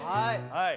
はい。